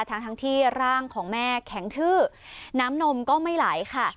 ทั้งทั้งที่ร่างของแม่แข็งทื้อน้ำนมก็ไม่ไหลค่ะ